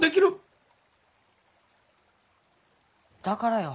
だからよ。